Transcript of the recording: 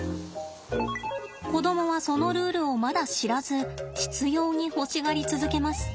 子供はそのルールをまだ知らず執ように欲しがり続けます。